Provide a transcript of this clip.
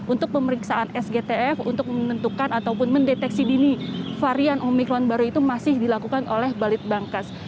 untuk pemeriksaan sgtf untuk menentukan ataupun mendeteksi dini varian omikron baru itu masih dilakukan oleh balit bangkas